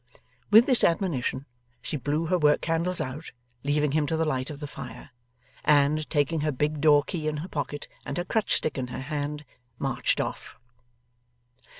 With this admonition, she blew her work candles out, leaving him to the light of the fire, and, taking her big door key in her pocket and her crutch stick in her hand, marched off.